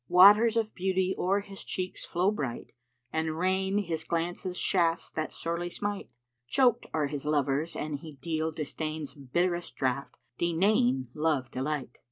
"Waters of beauty o'er his cheeks flow bright, * And rain his glances shafts that sorely smite: Choked are his lovers an he deal disdain's * Bitterest draught denaying love delight.